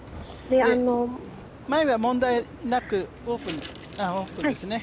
前は問題なく、オープンですね。